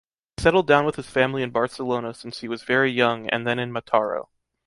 He settled down with his family in Barcelona since he was very young and then in Mataró.